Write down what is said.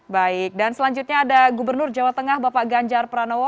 baik dan selanjutnya ada gubernur jawa tengah bapak ganjar pranowo